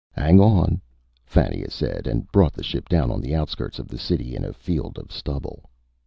"Hang on," Fannia said, and brought the ship down on the outskirts of the city, in a field of stubble.